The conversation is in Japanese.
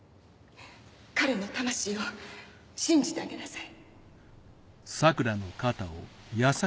彼の魂を信じてあげなさい。